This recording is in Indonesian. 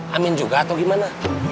amin juga atau gimana